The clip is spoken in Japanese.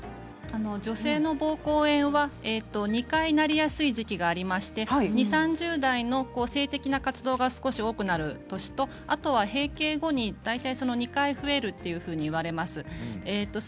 女性のぼうこう炎は２回なりやすい時期がありまして２０、３０代の性的な活動が少し多くなる年とあとは閉経後に大体２回増えるといわれています。